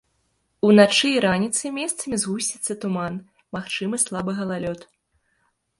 Уначы і раніцай месцамі згусціцца туман, магчымы слабы галалёд.